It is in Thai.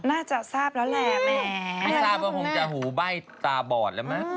น่าจะทราบแล้วแหละแหมไม่ทราบว่าคงจะหูใบ้ตาบอดแล้วมั้ง